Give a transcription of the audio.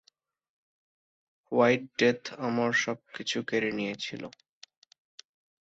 White death আমার সবকিছু কেড়ে নিয়েছিল।